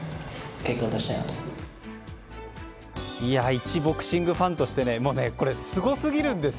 一ボクシングファンとしてこれ、すごすぎるんですよ。